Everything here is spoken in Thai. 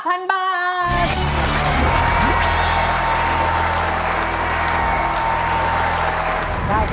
สวัสดีครับ